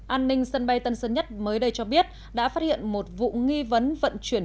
an ninh sân bay tân sơn nhất mới đây cho biết đã phát hiện một vụ nghi vấn vận chuyển